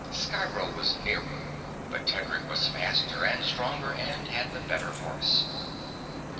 Sciro was nearer, but Tedric was faster and stronger and had the better horse.